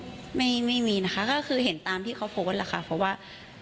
ไม่มีนะคะก็คือเห็นตามที่เขาโพสต์แหละค่ะเพราะว่า